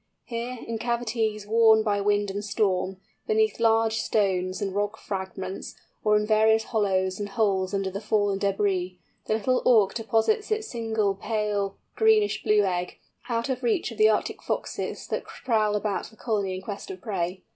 Here, in cavities, worn by wind and storm, beneath large stones and rock fragments, or in various hollows and holes under the fallen débris, the Little Auk deposits its single pale greenish blue egg, out of reach of the Arctic foxes that prowl about the colony in quest of prey.